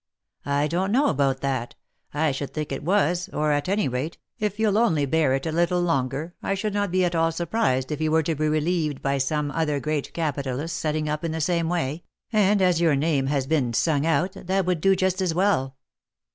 " I don't know about that ; I should think it was, or, at any rate, if you'll only bear it a little longer I should not be at all surprised if you were to be relieved by some other great capitalist setting up in the same way, and as your name has been sung out, that would do just as well.